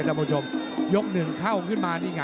โอ้โหแดงโชว์อีกเลยเดี๋ยวดูผู้ดอลก่อน